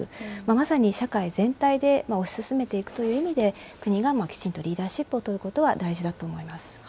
まさに社会全体で推し進めていくという意味で、国がきちんとリーダーシップを取ることは大事だと思います。